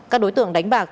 các đối tượng đánh bạc